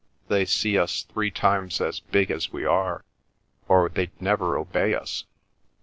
They see us three times as big as we are or they'd never obey us.